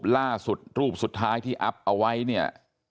รูปสุดท้ายที่อัพเอาไว้เนี่ย